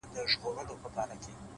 داسي ژوند هم راځي تر ټولو عزتمن به يې _